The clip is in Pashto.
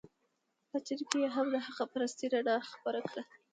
په چین کې یې هم د حق پرستۍ رڼا خپره کړه.